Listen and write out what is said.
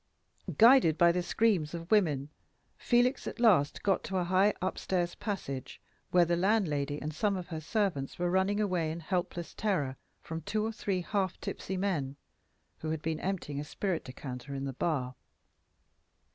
Guided by the screams of women, Felix at last got to a high up stairs passage, where the landlady and some of her servants were running away in helpless terror from two or three half tipsy men, who had been emptying a spirit decanter in the bar.